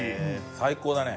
最高だね。